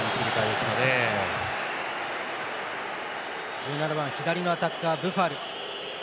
１７番、左のアタッカーブファル。